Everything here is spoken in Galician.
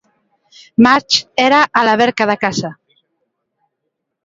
Musch era a laverca da casa.